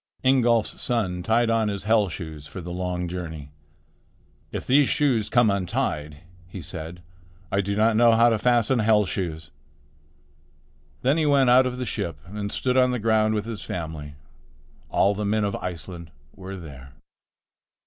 Ingolf's son tied on his hell shoes for the long journey. "If these shoes come untied," he said, "I do not know how to fasten hell shoes." Then he went out of the ship and stood on the ground with his family. All the men of Iceland were there.